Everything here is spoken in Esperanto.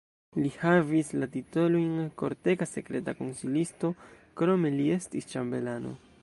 Li havis la titolojn kortega sekreta konsilisto, krome li estis ĉambelano.